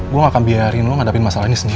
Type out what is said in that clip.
gue gak akan biarin lo hadapin masalah ini sendiri